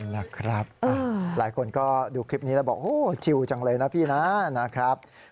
นะครับหลายคนก็ดูคลิปนี้แล้วบอกโอ้จิลจังเลยนะพี่นะ